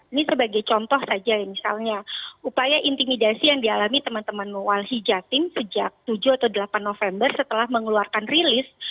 ini sebagai contoh saja misalnya upaya intimidasi yang dialami teman teman walhi jatim sejak tujuh atau delapan november setelah mengeluarkan rilis